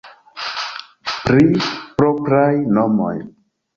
Pri propraj nomoj.